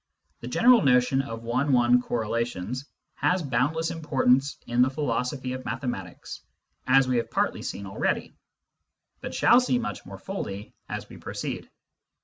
The general notion of one one correlations has boundless importance in the philosophy of mathematics, as we have partly seen already, but shall see much more fully as we proceed.